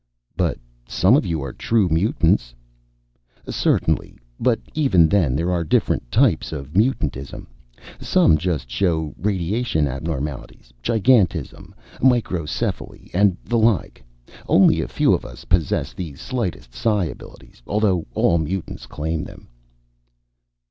"But some of you are true mutants?" "Certainly. But even then, there are different types of mutantism. Some just show radiation abnormalities giantism, microcephaly, and the like. Only a few of us possess the slightest psi abilities although all mutants claim them."